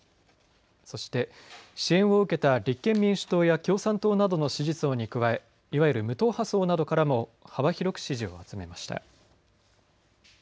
そして、支援を受けた立憲民主党や共産党などの支持層に加えいわゆる無党派層などからも幅広く支持を集めました。